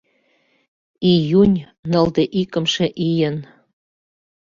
Июнь нылде икымше ийын